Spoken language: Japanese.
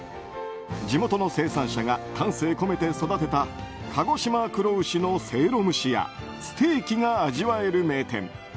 地元の生産者が丹精込めて育てた鹿児島黒牛のせいろ蒸しやステーキが味わえる名店。